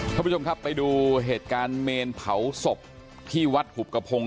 ท่านผู้ชมครับไปดูเหตุการณ์เมนเผาศพที่วัดหุบกระพงศ